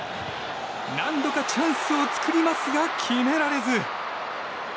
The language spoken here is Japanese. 何度かチャンスを作りますが決められず。